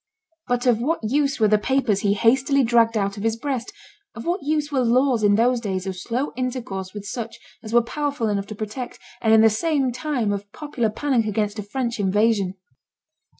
But of what use were the papers he hastily dragged out of his breast; of what use were laws in those days of slow intercourse with such as were powerful enough to protect, and in the time of popular panic against a French invasion?